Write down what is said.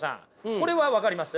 これは分かります？